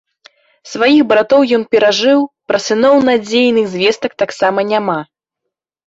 Сваіх братоў ён перажыў, пра сыноў надзейных звестак таксама няма.